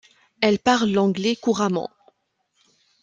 Elle parle l'anglais couramment.